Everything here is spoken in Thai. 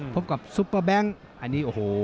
พบกับซุปเปอร์แบงค์อันนี้โอ้โห